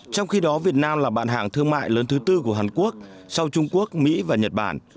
trong khi đó việt nam là bạn hạng thương mại lớn thứ tư của hàn quốc sau trung quốc mỹ và nhật bản